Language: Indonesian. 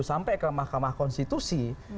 sampai ke mahkamah konstitusi